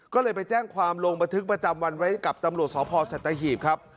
ก็เลยไปแจ้งความลงบันทึกประจำวันไว้กับตำรวจสพสัตหีบครับ